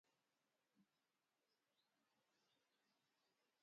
Els d'Alcosser, raboses.